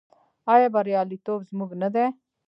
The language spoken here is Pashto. آیا بریالیتوب زموږ نه دی؟